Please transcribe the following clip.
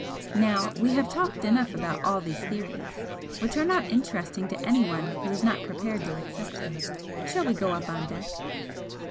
Now we have talked enough about all these theories, which are not interesting to anyone who is not prepared to accept them shall we go up on deck?"